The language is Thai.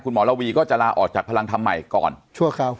หมอระวีก็จะลาออกจากพลังธรรมใหม่ก่อนชั่วคราว